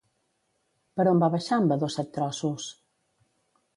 Per on va baixar en Vadó Set-trossos?